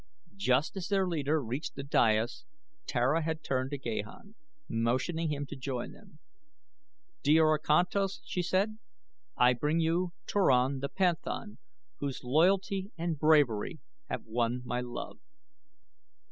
Just as their leader reached the dais Tara had turned to Gahan, motioning him to join them. "Djor Kantos," she said, "I bring you Turan the panthan, whose loyalty and bravery have won my love."